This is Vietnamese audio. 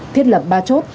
thiết lập ba chốt